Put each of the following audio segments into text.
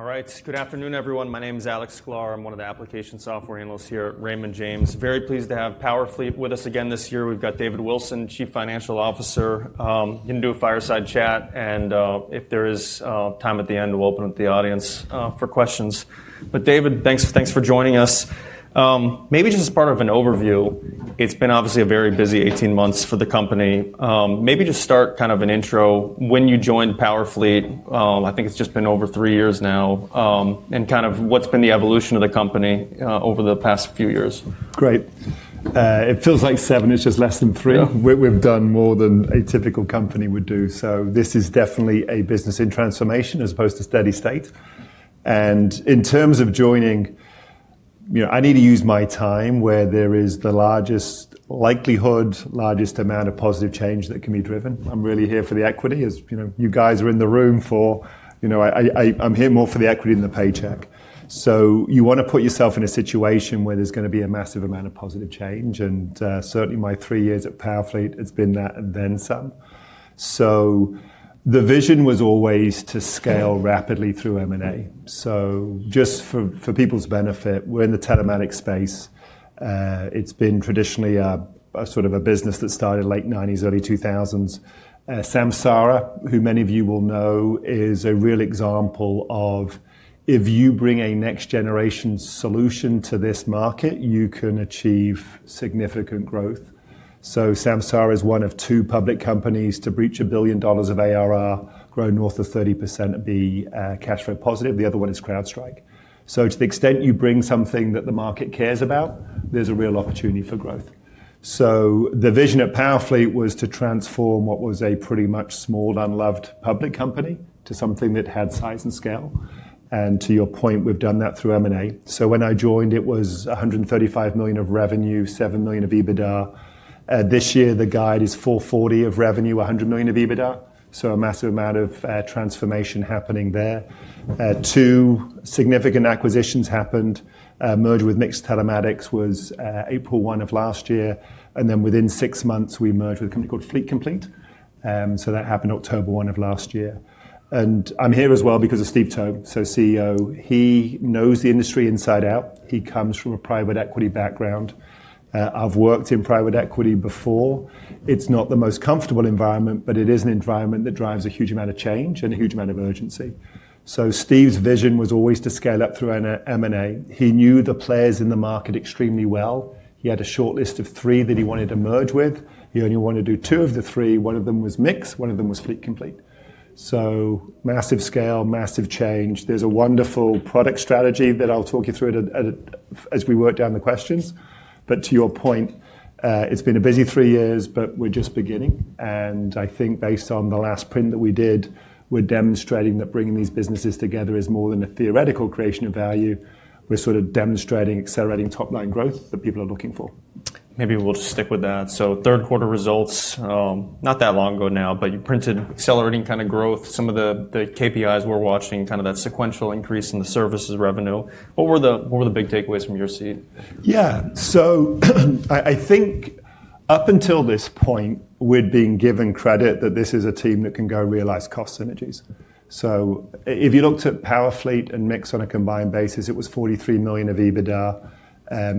All right. Good afternoon, everyone. My name is Alex Sklar. I'm one of the application software analysts here at Raymond James. Very pleased to have PowerFleet with us again this year. We've got David Wilson, Chief Financial Officer. You can do a fireside chat, and if there is time at the end, we'll open with the audience for questions. But David, thanks for joining us. Maybe just as part of an overview, it's been obviously a very busy 18 months for the company. Maybe just start kind of an intro. When you joined PowerFleet, I think it's just been over three years now. And kind of what's been the evolution of the company over the past few years? Great. It feels like seven is just less than three. We've done more than a typical company would do. So this is definitely a business in transformation as opposed to steady state. And in terms of joining, I need to use my time where there is the largest likelihood, largest amount of positive change that can be driven. I'm really here for the equity. As you guys are in the room for, I'm here more for the equity than the paycheck. So you want to put yourself in a situation where there's going to be a massive amount of positive change. And certainly my three years at PowerFleet, it's been that and then some. So the vision was always to scale rapidly through M&A. So just for people's benefit, we're in the telematics space. It's been traditionally a sort of a business that started in the late 1990s, early 2000s. Samsara, who many of you will know, is a real example of if you bring a next-generation solution to this market, you can achieve significant growth, so Samsara is one of two public companies to breach $1 billion of ARR, grow north of 30%, be cash flow positive. The other one is CrowdStrike, so to the extent you bring something that the market cares about, there's a real opportunity for growth, so the vision at PowerFleet was to transform what was a pretty much small, unloved public company to something that had size and scale, and to your point, we've done that through M&A. So when I joined, it was $135 million of revenue, $7 million of EBITDA. This year, the guide is $440 million of revenue, $100 million of EBITDA, so a massive amount of transformation happening there. Two significant acquisitions happened. Merger with MiX Telematics was April 1 of last year. Then within six months, we merged with a company called Fleet Complete. That happened October 1st of last year. I'm here as well because of Steve Towe, CEO. He knows the industry inside out. He comes from a private equity background. I've worked in private equity before. It's not the most comfortable environment, but it is an environment that drives a huge amount of change and a huge amount of urgency. Steve's vision was always to scale up through M&A. He knew the players in the market extremely well. He had a shortlist of three that he wanted to merge with. He only wanted to do two of the three. One of them was MiX. One of them was Fleet Complete. Massive scale, massive change. There's a wonderful product strategy that I'll talk you through as we work down the questions. But to your point, it's been a busy three years, but we're just beginning. And I think based on the last print that we did, we're demonstrating that bringing these businesses together is more than a theoretical creation of value. We're sort of demonstrating accelerating top-line growth that people are looking for. Maybe we'll just stick with that. So third quarter results, not that long ago now, but you printed accelerating kind of growth. Some of the KPIs we're watching, kind of that sequential increase in the services revenue. What were the big takeaways from your seat? Yeah. So I think up until this point, we're being given credit that this is a team that can go realize cost synergies. So if you looked at PowerFleet and MiX on a combined basis, it was $43 million of EBITDA.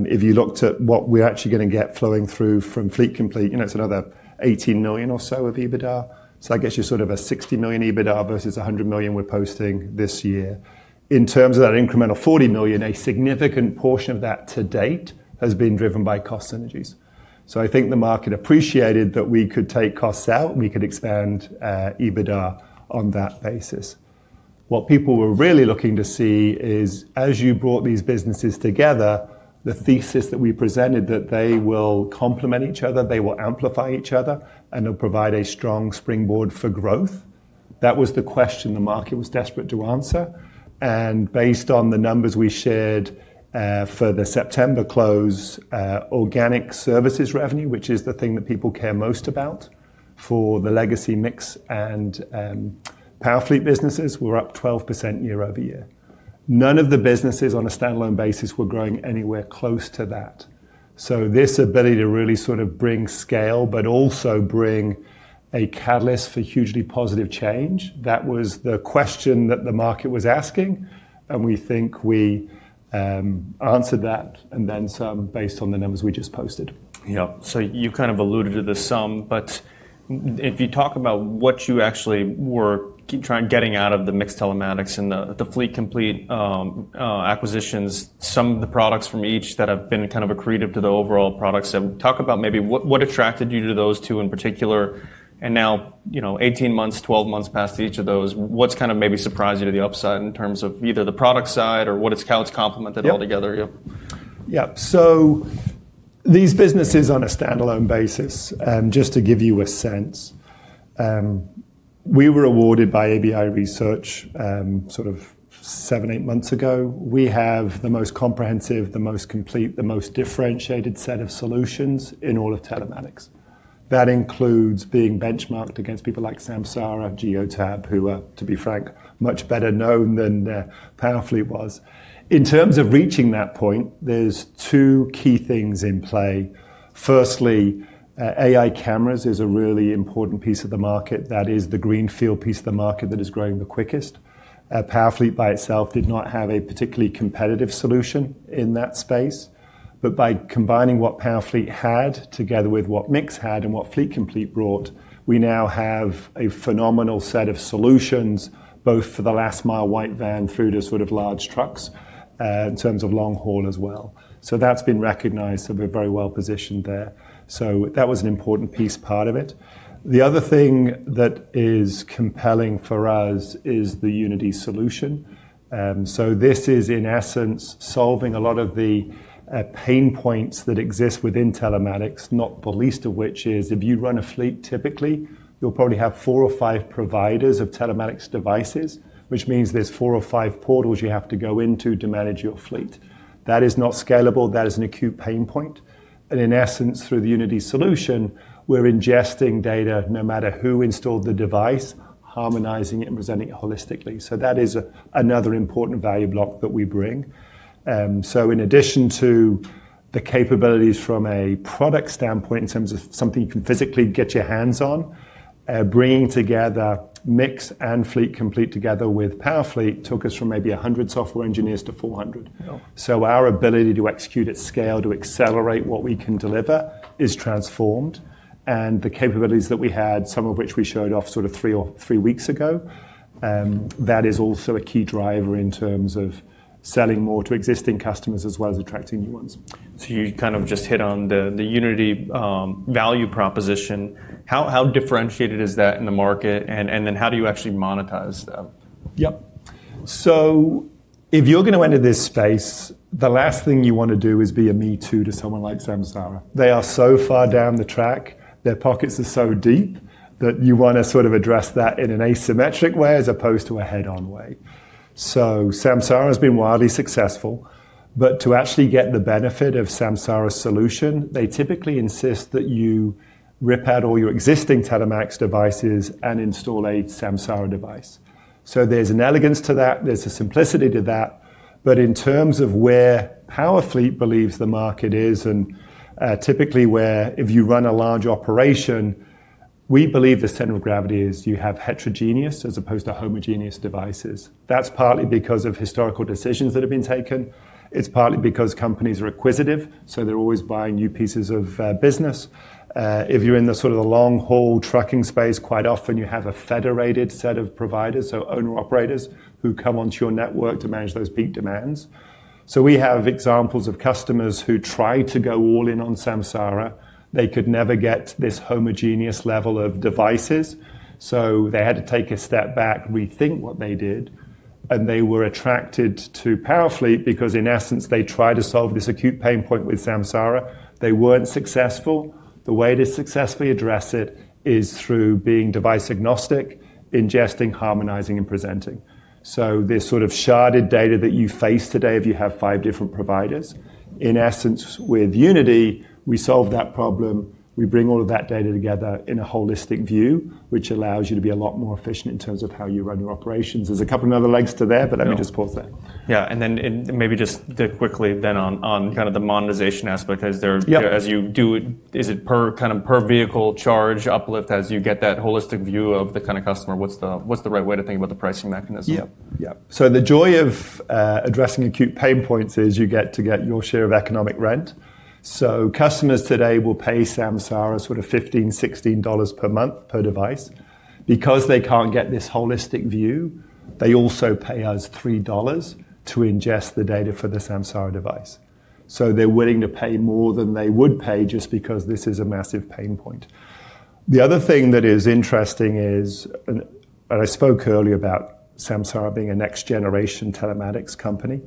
If you looked at what we're actually going to get flowing through from Fleet Complete, it's another $18 million or so of EBITDA. So that gets you sort of a $60 million EBITDA versus $100 million we're posting this year. In terms of that incremental $40 million, a significant portion of that to date has been driven by cost synergies. So I think the market appreciated that we could take costs out. We could expand EBITDA on that basis. What people were really looking to see is, as you brought these businesses together, the thesis that we presented that they will complement each other, they will amplify each other, and they'll provide a strong springboard for growth. That was the question the market was desperate to answer. And based on the numbers we shared for the September close, organic services revenue, which is the thing that people care most about for the legacy MiX and PowerFleet businesses, we're up 12% year-over-year. None of the businesses on a standalone basis were growing anywhere close to that. So this ability to really sort of bring scale, but also bring a catalyst for hugely positive change, that was the question that the market was asking. And we think we answered that and then some based on the numbers we just posted. Yeah. So you kind of alluded to the sum, but if you talk about what you actually were getting out of the MiX Telematics and the Fleet Complete acquisitions, some of the products from each that have been kind of accretive to the overall products, talk about maybe what attracted you to those two in particular. And now 18 months, 12 months past each of those, what's kind of maybe surprised you to the upside in terms of either the product side or how it's complemented altogether? Yeah. So these businesses on a standalone basis, just to give you a sense, we were awarded by ABI Research sort of seven, eight months ago. We have the most comprehensive, the most complete, the most differentiated set of solutions in all of telematics. That includes being benchmarked against people like Samsara, Geotab, who are, to be frank, much better known than PowerFleet was. In terms of reaching that point, there's two key things in play. Firstly, AI cameras is a really important piece of the market. That is the greenfield piece of the market that is growing the quickest. PowerFleet by itself did not have a particularly competitive solution in that space. But by combining what PowerFleet had together with what MiX had and what Fleet Complete brought, we now have a phenomenal set of solutions, both for the last-mile white van through to sort of large trucks in terms of long haul as well. So that's been recognized that we're very well positioned there. So that was an important piece, part of it. The other thing that is compelling for us is the Unity solution. So this is, in essence, solving a lot of the pain points that exist within telematics, not the least of which is if you run a fleet, typically, you'll probably have four or five providers of telematics devices, which means there's four or five portals you have to go into to manage your fleet. That is not scalable. That is an acute pain point. In essence, through the Unity solution, we're ingesting data no matter who installed the device, harmonizing it and presenting it holistically. So that is another important value block that we bring. So in addition to the capabilities from a product standpoint in terms of something you can physically get your hands on, bringing together MiX and Fleet Complete together with PowerFleet took us from maybe 100 software engineers to 400. So our ability to execute at scale, to accelerate what we can deliver is transformed. And the capabilities that we had, some of which we showed off sort of three weeks ago, that is also a key driver in terms of selling more to existing customers as well as attracting new ones. So you kind of just hit on the Unity value proposition. How differentiated is that in the market? And then how do you actually monetize that? Yep. So if you're going to enter this space, the last thing you want to do is be a me too to someone like Samsara. They are so far down the track. Their pockets are so deep that you want to sort of address that in an asymmetric way as opposed to a head-on way. So Samsara has been wildly successful. But to actually get the benefit of Samsara's solution, they typically insist that you rip out all your existing telematics devices and install a Samsara device. So there's an elegance to that. There's a simplicity to that. But in terms of where PowerFleet believes the market is and typically where if you run a large operation, we believe the center of gravity is you have heterogeneous as opposed to homogeneous devices. That's partly because of historical decisions that have been taken. It's partly because companies are acquisitive. They're always buying new pieces of business. If you're in the sort of the long-haul trucking space, quite often you have a federated set of providers, so owner-operators, who come onto your network to manage those peak demands. We have examples of customers who tried to go all in on Samsara. They could never get this homogeneous level of devices. They had to take a step back, rethink what they did. They were attracted to PowerFleet because, in essence, they tried to solve this acute pain point with Samsara. They weren't successful. The way to successfully address it is through being device agnostic, ingesting, harmonizing, and presenting. This sort of sharded data that you face today if you have five different providers. In essence, with Unity, we solve that problem. We bring all of that data together in a holistic view, which allows you to be a lot more efficient in terms of how you run your operations. There's a couple of other legs to there, but let me just pause there. Yeah, and then maybe just quickly then on kind of the monetization aspect. As you do, is it kind of per vehicle charge uplift as you get that holistic view of the kind of customer? What's the right way to think about the pricing mechanism? Yeah. Yeah. So the joy of addressing acute pain points is you get to get your share of economic rent. So customers today will pay Samsara sort of $15, $16 per month per device. Because they can't get this holistic view, they also pay us $3 to ingest the data for the Samsara device. So they're willing to pay more than they would pay just because this is a massive pain point. The other thing that is interesting is, and I spoke earlier about Samsara being a next-generation telematics company,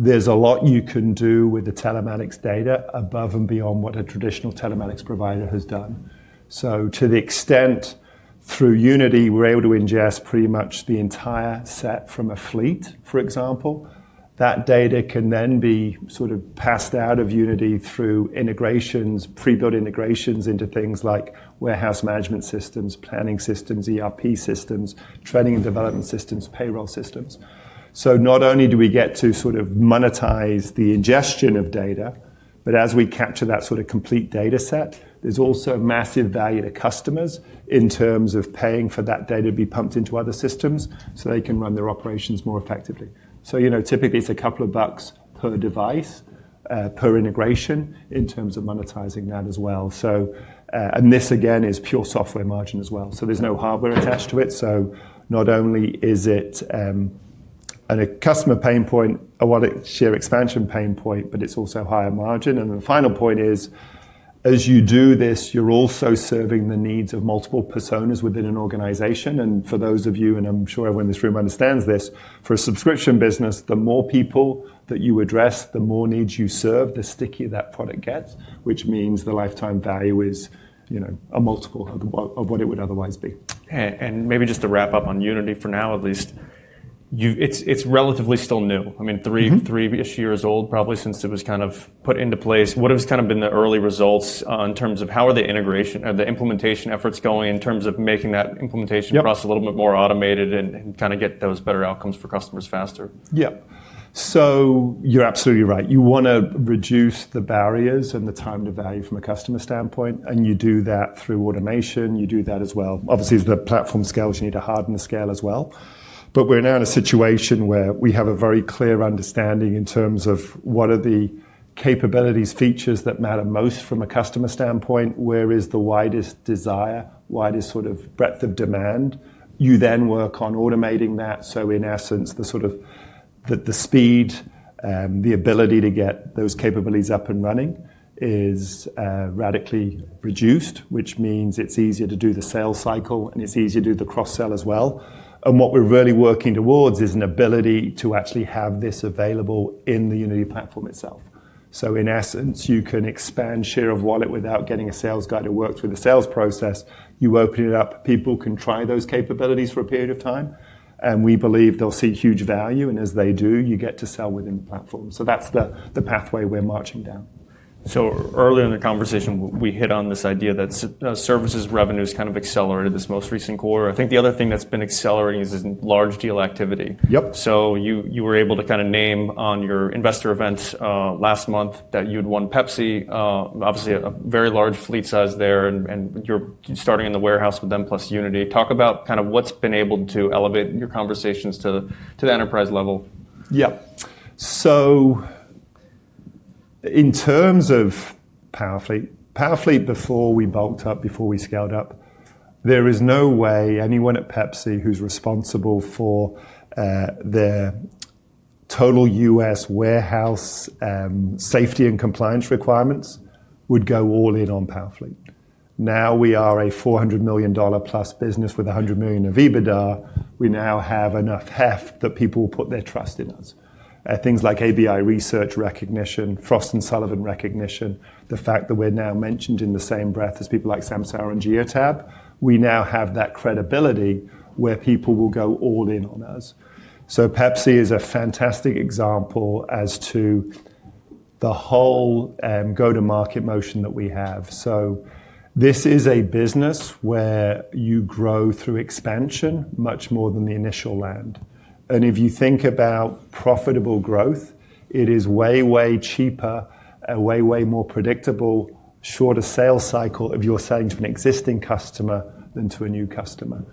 there's a lot you can do with the telematics data above and beyond what a traditional telematics provider has done. So to the extent, through Unity, we're able to ingest pretty much the entire set from a fleet, for example. That data can then be sort of passed out of Unity through integrations, pre-built integrations into things like warehouse management systems, planning systems, ERP systems, training and development systems, payroll systems. So not only do we get to sort of monetize the ingestion of data, but as we capture that sort of complete data set, there's also massive value to customers in terms of paying for that data to be pumped into other systems so they can run their operations more effectively. So typically, it's a couple of bucks per device, per integration in terms of monetizing that as well. And this, again, is pure software margin as well. So there's no hardware attached to it. So not only is it a customer pain point, a wallet share expansion pain point, but it's also higher margin. And then the final point is, as you do this, you're also serving the needs of multiple personas within an organization. And for those of you, and I'm sure everyone in this room understands this, for a subscription business, the more people that you address, the more needs you serve, the stickier that product gets, which means the lifetime value is a multiple of what it would otherwise be. Maybe just to wrap up on Unity for now at least, it's relatively still new. I mean, three-ish years old, probably since it was kind of put into place. What have kind of been the early results in terms of how are the integration or the implementation efforts going in terms of making that implementation process a little bit more automated and kind of get those better outcomes for customers faster? Yeah, so you're absolutely right. You want to reduce the barriers and the time to value from a customer standpoint, and you do that through automation. You do that as well. Obviously, the platform scales, you need to harden the scale as well. But we're now in a situation where we have a very clear understanding in terms of what are the capabilities, features that matter most from a customer standpoint, where is the widest desire, widest sort of breadth of demand. You then work on automating that, so in essence, the sort of the speed and the ability to get those capabilities up and running is radically reduced, which means it's easier to do the sales cycle and it's easier to do the cross-sell as well, and what we're really working towards is an ability to actually have this available in the Unity platform itself. So in essence, you can expand share of wallet without getting a sales guy to work through the sales process. You open it up, people can try those capabilities for a period of time. And we believe they'll see huge value. And as they do, you get to sell within the platform. So that's the pathway we're marching down. So earlier in the conversation, we hit on this idea that services revenue has kind of accelerated this most recent quarter. I think the other thing that's been accelerating is this large deal activity. So you were able to kind of name on your investor events last month that you'd won Pepsi, obviously a very large fleet size there, and you're starting in the warehouse with them plus Unity. Talk about kind of what's been able to elevate your conversations to the enterprise level. Yeah. So in terms of PowerFleet, PowerFleet before we bulked up, before we scaled up, there is no way anyone at Pepsi who's responsible for their total U.S. warehouse safety and compliance requirements would go all in on PowerFleet. Now we are a $400 million+ business with $100 million of EBITDA. We now have enough heft that people will put their trust in us. Things like ABI Research recognition, Frost & Sullivan recognition, the fact that we're now mentioned in the same breath as people like Samsara and Geotab, we now have that credibility where people will go all in on us. So Pepsi is a fantastic example as to the whole go-to-market motion that we have. So this is a business where you grow through expansion much more than the initial land. If you think about profitable growth, it is way, way cheaper, a way, way more predictable, shorter sales cycle if you're selling to an existing customer than to a new customer.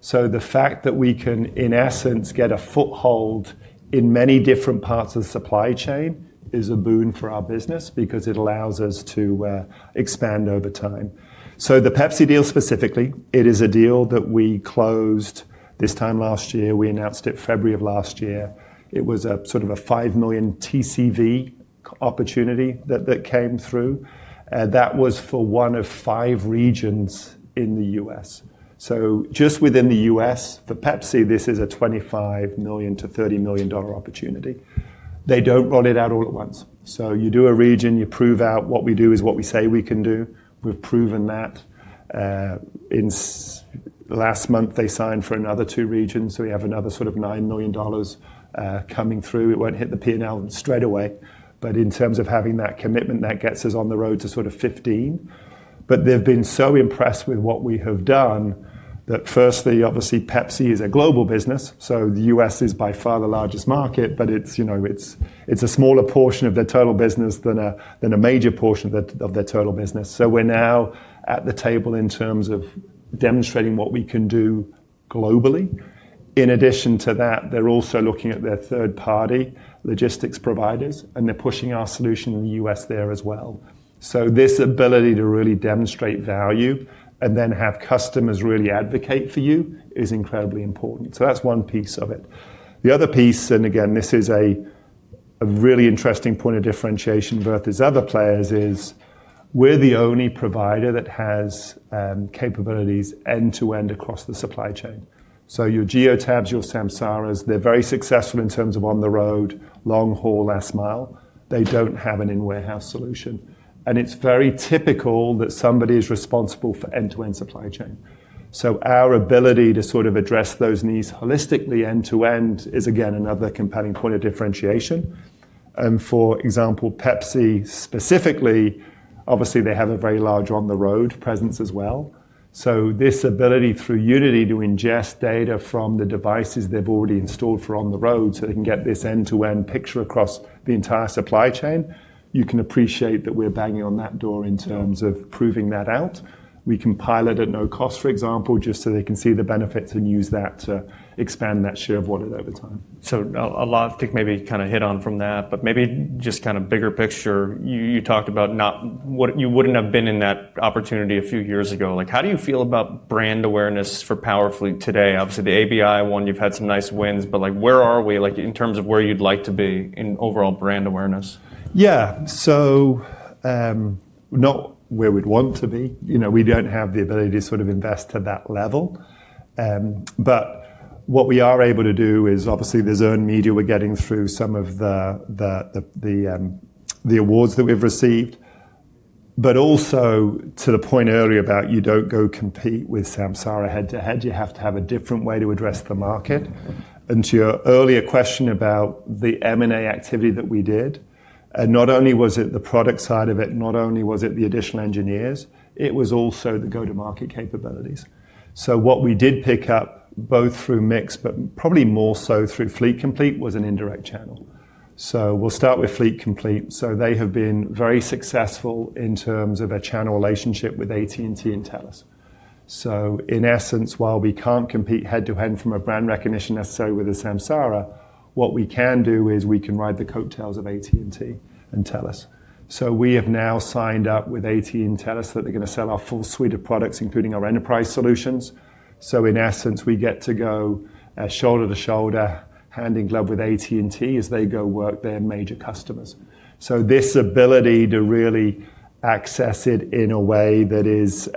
So the fact that we can, in essence, get a foothold in many different parts of the supply chain is a boon for our business because it allows us to expand over time. So the Pepsi deal specifically, it is a deal that we closed this time last year. We announced it February of last year. It was a sort of a $5 million TCV opportunity that came through. That was for one of five regions in the U.S. So just within the U.S., for Pepsi, this is a $25 million-$30 million opportunity. They don't roll it out all at once. So you do a region, you prove out what we do is what we say we can do. We've proven that. Last month, they signed for another two regions. So we have another sort of $9 million coming through. It won't hit the P&L straight away. But in terms of having that commitment, that gets us on the road to sort of 15. But they've been so impressed with what we have done that firstly, obviously, Pepsi is a global business. So the U.S. is by far the largest market, but it's a smaller portion of their total business than a major portion of their total business. So we're now at the table in terms of demonstrating what we can do globally. In addition to that, they're also looking at their third-party logistics providers, and they're pushing our solution in the U.S. there as well. So this ability to really demonstrate value and then have customers really advocate for you is incredibly important. So that's one piece of it. The other piece, and again, this is a really interesting point of differentiation versus other players, is we're the only provider that has capabilities end-to-end across the supply chain. So your Geotab, your Samsara, they're very successful in terms of on the road, long-haul, last mile. They don't have an in-warehouse solution. And it's very typical that somebody is responsible for end-to-end supply chain. So our ability to sort of address those needs holistically end-to-end is, again, another compelling point of differentiation. And for example, Pepsi specifically, obviously, they have a very large on-the-road presence as well. So this ability through Unity to ingest data from the devices they've already installed for on-the-road so they can get this end-to-end picture across the entire supply chain, you can appreciate that we're banging on that door in terms of proving that out. We can pilot at no cost, for example, just so they can see the benefits and use that to expand that share of wallet over time. So I'll take maybe kind of hit on from that, but maybe just kind of bigger picture. You talked about you wouldn't have been in that opportunity a few years ago. How do you feel about brand awareness for PowerFleet today? Obviously, the ABI one, you've had some nice wins, but where are we in terms of where you'd like to be in overall brand awareness? Yeah. So not where we'd want to be. We don't have the ability to sort of invest to that level. But what we are able to do is, obviously, there's earned media we're getting through some of the awards that we've received. But also, to the point earlier about you don't go compete with Samsara head-to-head. You have to have a different way to address the market. And to your earlier question about the M&A activity that we did, not only was it the product side of it, not only was it the additional engineers, it was also the go-to-market capabilities. So what we did pick up both through MiX, but probably more so through Fleet Complete was an indirect channel. So we'll start with Fleet Complete. So they have been very successful in terms of a channel relationship with AT&T and TELUS. So in essence, while we can't compete head-to-head from a brand recognition necessary with a Samsara, what we can do is we can ride the coattails of AT&T and TELUS. So we have now signed up with AT&T and TELUS that they're going to sell our full suite of products, including our enterprise solutions. So in essence, we get to go shoulder to shoulder, hand in glove with AT&T as they go work their major customers. So this ability to really access it in a way that is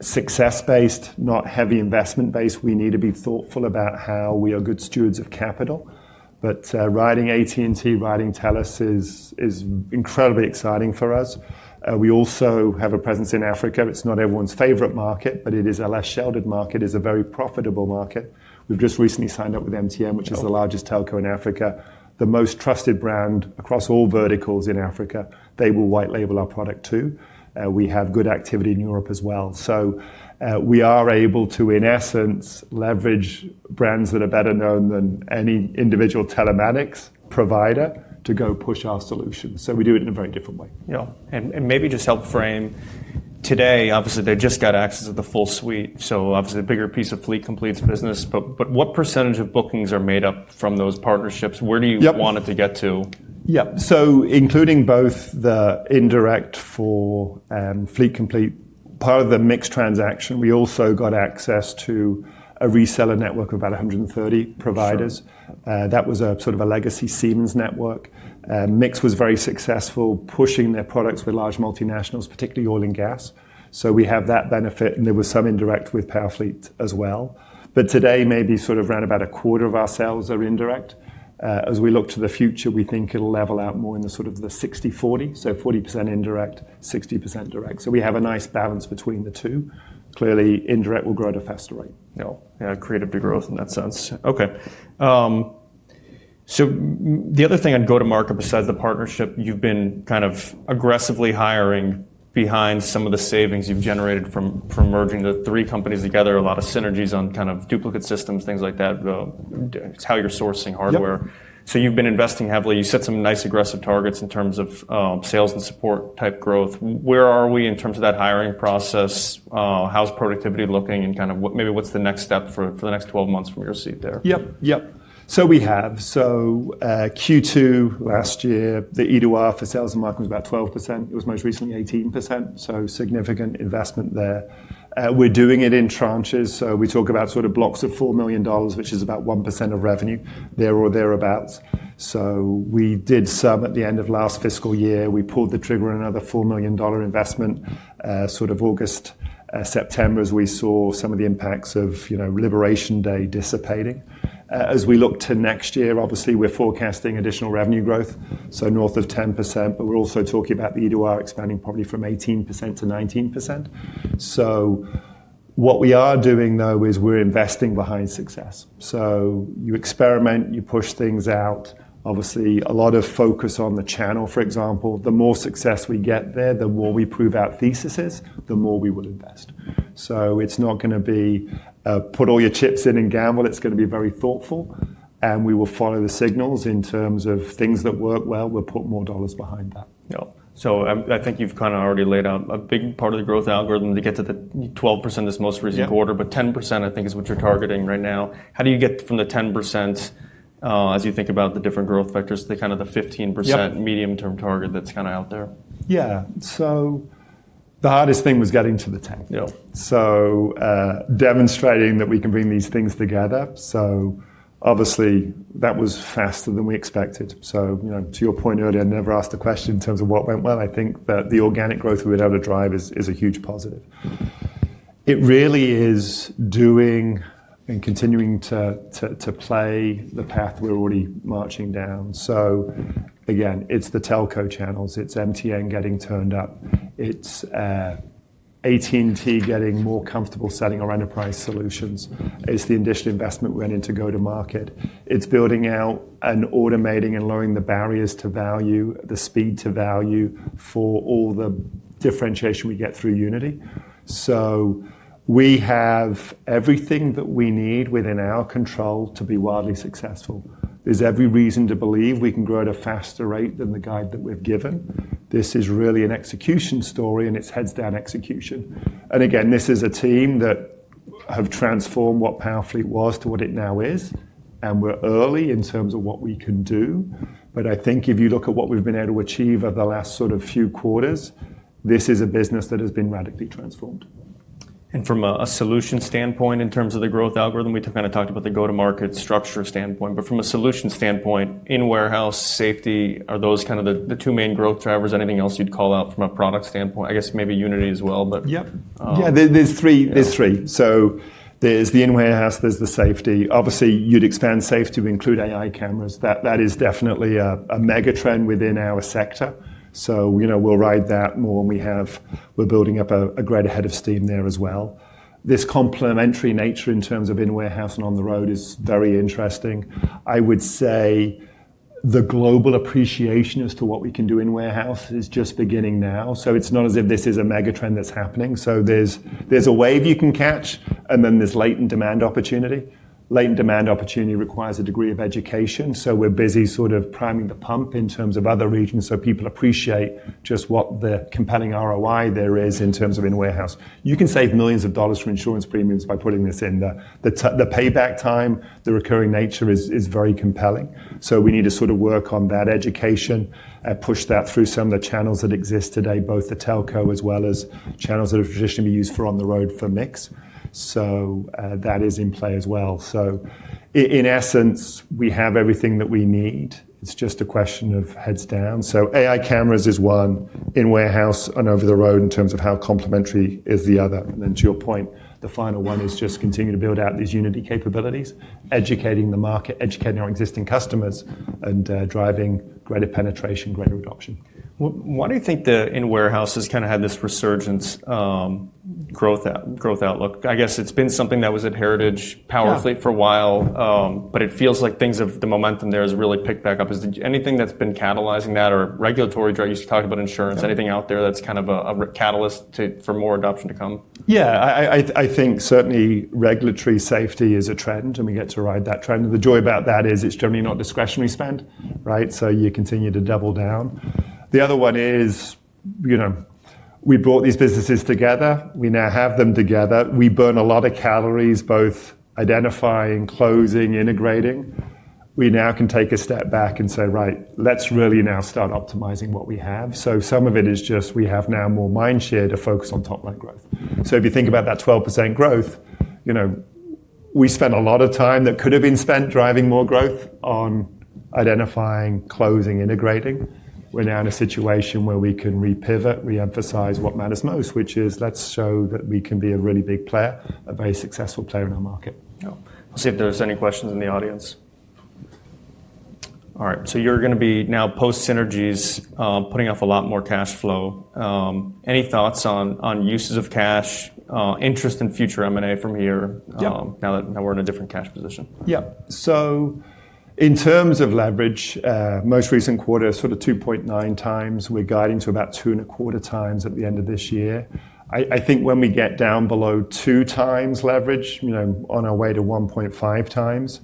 success-based, not heavy investment-based, we need to be thoughtful about how we are good stewards of capital. But riding AT&T, riding TELUS is incredibly exciting for us. We also have a presence in Africa. It's not everyone's favorite market, but it is a less sheltered market. It is a very profitable market. We've just recently signed up with MTN, which is the largest telco in Africa, the most trusted brand across all verticals in Africa. They will white-label our product too. We have good activity in Europe as well. So we are able to, in essence, leverage brands that are better known than any individual telematics provider to go push our solutions. So we do it in a very different way. Yeah, and maybe just help frame. Today, obviously, they just got access to the full suite. So obviously, a bigger piece of Fleet Complete's business. But what percentage of bookings are made up from those partnerships? Where do you want it to get to? Yeah. So including both the indirect for Fleet Complete, part of the MiX transaction, we also got access to a reseller network of about 130 providers. That was sort of a legacy Siemens network. MiX was very successful pushing their products with large multinationals, particularly oil and gas. So we have that benefit. And there was some indirect with PowerFleet as well. But today, maybe sort of around about a quarter of our sales are indirect. As we look to the future, we think it'll level out more in the sort of the 60%-40%. So 40% indirect, 60% direct. So we have a nice balance between the two. Clearly, indirect will grow at a faster rate. Yeah. Key driver to growth in that sense. Okay. So the other thing on go-to-market besides the partnership, you've been kind of aggressively hiring behind some of the savings you've generated from merging the three companies together, a lot of synergies on kind of duplicate systems, things like that. It's how you're sourcing hardware. So you've been investing heavily. You set some nice aggressive targets in terms of sales and support type growth. Where are we in terms of that hiring process? How's productivity looking? And kind of maybe what's the next step for the next 12 months from your seat there? Yep. Yep. So, Q2 last year, the EDR for sales and marketing was about 12%. It was most recently 18%. So, significant investment there. We're doing it in tranches. So, we talk about sort of blocks of $4 million, which is about 1% of revenue there or thereabouts. So, we did some at the end of last fiscal year. We pulled the trigger on another $4 million investment sort of August, September as we saw some of the impacts of Liberation Day dissipating. As we look to next year, obviously, we're forecasting additional revenue growth, so north of 10%. But, we're also talking about the EDR expanding probably from 18%-19%. So, what we are doing, though, is we're investing behind success. So, you experiment, you push things out. Obviously, a lot of focus on the channel, for example. The more success we get there, the more we prove our thesis, the more we would invest. So it's not going to be put all your chips in and gamble. It's going to be very thoughtful. And we will follow the signals in terms of things that work well. We'll put more dollars behind that. Yeah. So I think you've kind of already laid out a big part of the growth algorithm to get to the 12% this most recent quarter, but 10%, I think, is what you're targeting right now. How do you get from the 10% as you think about the different growth factors to kind of the 15% medium-term target that's kind of out there? Yeah. So the hardest thing was getting to the 10. So demonstrating that we can bring these things together. So obviously, that was faster than we expected. So to your point earlier, I never asked the question in terms of what went well. I think that the organic growth we were able to drive is a huge positive. It really is doing and continuing to play the path we're already marching down. So again, it's the telco channels. It's MTN getting turned up. It's AT&T getting more comfortable selling our enterprise solutions. It's the additional investment we went into go-to-market. It's building out and automating and lowering the barriers to value, the speed to value for all the differentiation we get through Unity. So we have everything that we need within our control to be wildly successful. There's every reason to believe we can grow at a faster rate than the guide that we've given. This is really an execution story, and it's heads-down execution. And again, this is a team that have transformed what PowerFleet was to what it now is. And we're early in terms of what we can do. But I think if you look at what we've been able to achieve over the last sort of few quarters, this is a business that has been radically transformed. And from a solution standpoint in terms of the growth algorithm, we kind of talked about the go-to-market structure standpoint. But from a solution standpoint, in-warehouse, safety, are those kind of the two main growth drivers? Anything else you'd call out from a product standpoint? I guess maybe Unity as well, but. Yep. Yeah. There's three. So there's the in-warehouse. There's the safety. Obviously, you'd expand safety to include AI cameras. That is definitely a mega trend within our sector. So we'll ride that more. We're building up a great head of steam there as well. This complementary nature in terms of in-warehouse and on the road is very interesting. I would say the global appreciation as to what we can do in-warehouse is just beginning now. So it's not as if this is a mega trend that's happening. So there's a wave you can catch, and then there's latent demand opportunity. Latent demand opportunity requires a degree of education. So we're busy sort of priming the pump in terms of other regions so people appreciate just what the compelling ROI there is in terms of in-warehouse. You can save millions of dollars from insurance premiums by putting this in. The payback time, the recurring nature is very compelling. So we need to sort of work on that education and push that through some of the channels that exist today, both the telco as well as channels that have traditionally been used for on the road for MiX. So that is in play as well. So in essence, we have everything that we need. It's just a question of heads down. So AI cameras is one in-warehouse and over the road in terms of how complementary is the other. And then to your point, the final one is just continue to build out these Unity capabilities, educating the market, educating our existing customers, and driving greater penetration, greater adoption. Why do you think the in-warehouse has kind of had this resurgence growth outlook? I guess it's been something that was at Heritage PowerFleet for a while, but it feels like the momentum there has really picked back up. Is there anything that's been catalyzing that or regulatory drivers? You talked about insurance. Anything out there that's kind of a catalyst for more adoption to come? Yeah. I think certainly regulatory safety is a trend, and we get to ride that trend. And the joy about that is it's generally not discretionary spend, right? So you continue to double down. The other one is we brought these businesses together. We now have them together. We burn a lot of calories, both identifying, closing, integrating. We now can take a step back and say, right, let's really now start optimizing what we have. So some of it is just we have now more mind share to focus on top-line growth. So if you think about that 12% growth, we spent a lot of time that could have been spent driving more growth on identifying, closing, integrating. We're now in a situation where we can repivot, re-emphasize what matters most, which is let's show that we can be a really big player, a very successful player in our market. Yeah. Let's see if there's any questions in the audience. All right. So you're going to be now post synergies, putting off a lot more cash flow. Any thoughts on uses of cash, interest in future M&A from here now that we're in a different cash position? Yeah. So in terms of leverage, most recent quarter, sort of 2.9x. We're guiding to about 2.25x at the end of this year. I think when we get down below 2x leverage on our way to 1.5x,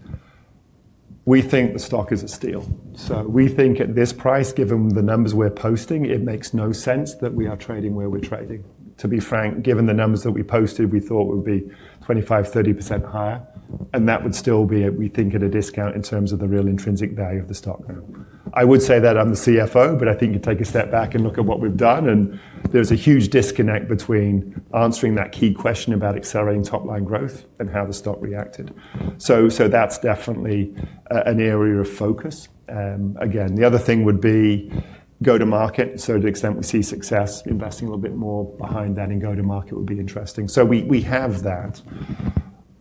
we think the stock is a steal. So we think at this price, given the numbers we're posting, it makes no sense that we are trading where we're trading. To be frank, given the numbers that we posted, we thought it would be 25%, 30% higher. And that would still be, we think, at a discount in terms of the real intrinsic value of the stock. I would say that I'm the CFO, but I think you take a step back and look at what we've done. And there's a huge disconnect between answering that key question about accelerating top-line growth and how the stock reacted. So that's definitely an area of focus. Again, the other thing would be go-to-market. So to the extent we see success, investing a little bit more behind that in go-to-market would be interesting. So we have that.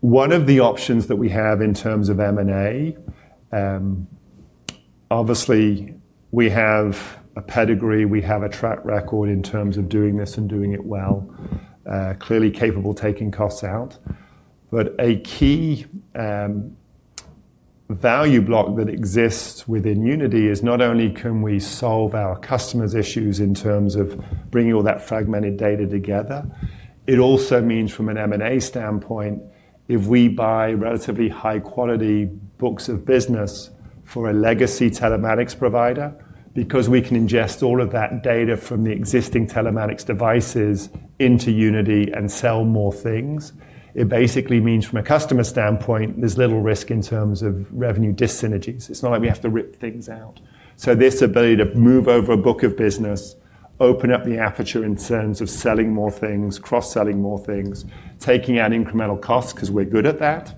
One of the options that we have in terms of M&A, obviously, we have a pedigree. We have a track record in terms of doing this and doing it well, clearly capable, taking costs out. A key value block that exists within Unity is not only can we solve our customers' issues in terms of bringing all that fragmented data together, it also means from an M&A standpoint, if we buy relatively high-quality books of business for a legacy telematics provider, because we can ingest all of that data from the existing telematics devices into Unity and sell more things, it basically means from a customer standpoint, there's little risk in terms of revenue dyssynergies. It's not like we have to rip things out. This ability to move over a book of business, open up the aperture in terms of selling more things, cross-selling more things, taking out incremental costs because we're good at that,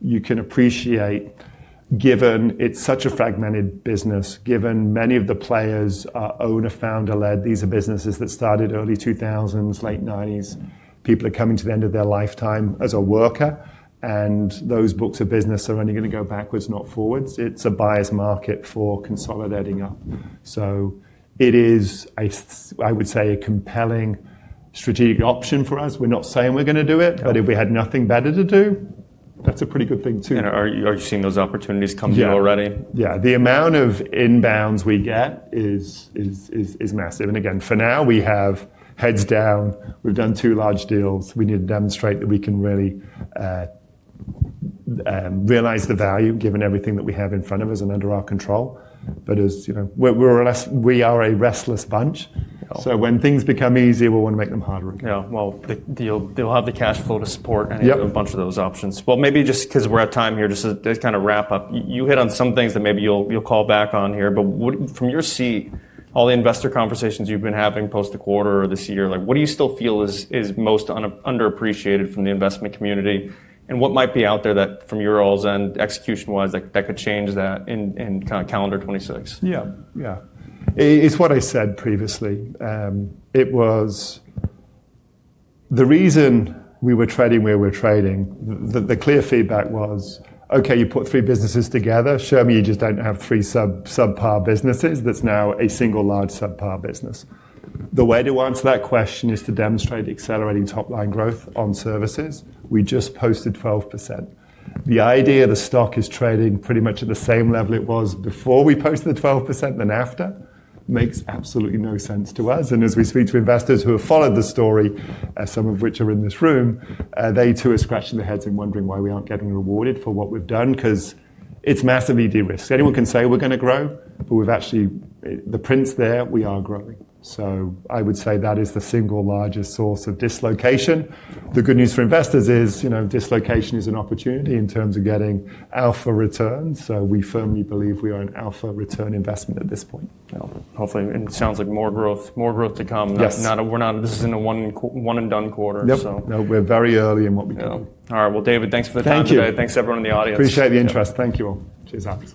you can appreciate, given it's such a fragmented business, given many of the players are owner-founder-led. These are businesses that started early 2000s, late 1990s. People are coming to the end of their lifetime as a worker. And those books of business are only going to go backwards, not forwards. It's a biased market for consolidating up. So it is, I would say, a compelling strategic option for us. We're not saying we're going to do it. But if we had nothing better to do, that's a pretty good thing too. Are you seeing those opportunities come through already? Yeah. The amount of inbounds we get is massive, and again, for now, we have heads down. We've done two large deals. We need to demonstrate that we can really realize the value given everything that we have in front of us and under our control, but we are a restless bunch, so when things become easier, we'll want to make them harder again. Yeah, well, they'll have the cash flow to support any of a bunch of those options, well, maybe just because we're at time here, just to kind of wrap up, you hit on some things that maybe you'll call back on here. But from your seat, all the investor conversations you've been having post the quarter or this year, what do you still feel is most underappreciated from the investment community? And what might be out there that from your all's end, execution-wise, that could change that in kind of calendar 2026? Yeah. Yeah. It's what I said previously. The reason we were trading where we're trading, the clear feedback was, okay, you put three businesses together. Show me you just don't have three subpar businesses. That's now a single large subpar business. The way to answer that question is to demonstrate accelerating top-line growth on services. We just posted 12%. The idea the stock is trading pretty much at the same level it was before we posted the 12% and after makes absolutely no sense to us. And as we speak to investors who have followed the story, some of which are in this room, they too are scratching their heads and wondering why we aren't getting rewarded for what we've done because it's massively de-risked. Anyone can say we're going to grow, but we've actually the prints there, we are growing. So I would say that is the single largest source of dislocation. The good news for investors is dislocation is an opportunity in terms of getting alpha returns. So we firmly believe we are an alpha return investment at this point. Hopefully. And it sounds like more growth to come. This isn't a one-and-done quarter, so. Yep. No, we're very early in what we can. All right, well, David, thanks for the time today. Thanks, everyone in the audience. Appreciate the interest. Thank you all. Cheers, Alex.